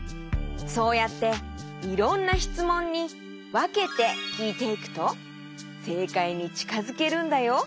そうやっていろんなしつもんにわけてきいていくとせいかいにちかづけるんだよ。